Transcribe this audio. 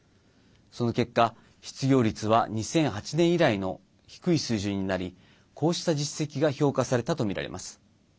その結果、失業率は２００８年以来の低い水準になりこうした実績が評価されたとみられます。